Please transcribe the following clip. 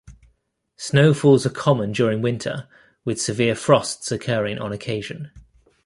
Snowfalls are common during winter, with severe frosts occurring on occasion.